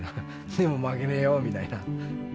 でも負けねえよみたいな。